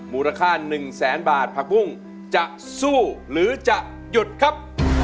มูลค่า๑แสนบาทผักบุ้งจะสู้หรือจะหยุดครับ